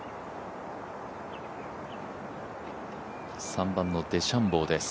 ３番のデシャンボーです。